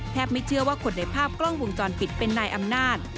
ไม่เชื่อว่าคนในภาพกล้องวงจรปิดเป็นนายอำนาจ